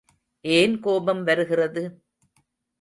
ஏன் கோபம் வருகிறது?